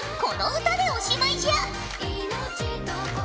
この歌でおしまいじゃ。